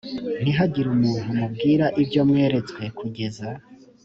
ntihagire umuntu mubwira ibyo mweretswe kugeza